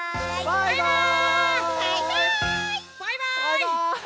バイバーイ！